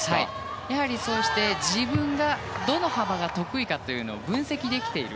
そうして自分がどの幅が得意かというのを分析できている。